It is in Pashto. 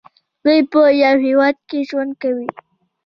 دوی په یو هیواد کې ژوند کوي.